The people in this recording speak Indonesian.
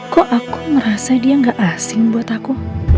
kok aku ngerasa dia gak asing buat aku